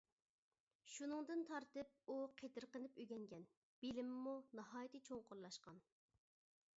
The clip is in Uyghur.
شۇنىڭدىن تارتىپ ئۇ قېتىرقىنىپ ئۆگەنگەن، بىلىمىمۇ ناھايىتى چوڭقۇرلاشقان.